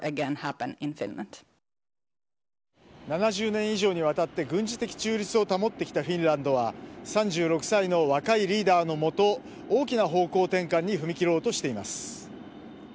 ７０年以上にわたって軍事的中立を保っていたフィンランドが３６歳の若いリーダーのもと大きな方向転換に踏み切ろうとしています。